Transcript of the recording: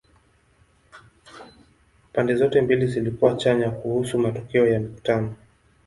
Pande zote mbili zilikuwa chanya kuhusu matokeo ya mikutano.